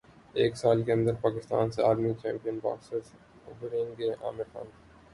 ایک سال کے اندر پاکستان سے عالمی چیمپئن باکسرز ابھریں گے عامر خان